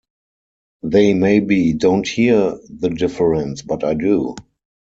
They maybe don't hear the difference, but I do.